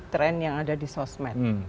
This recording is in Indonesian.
tren yang ada di sosmed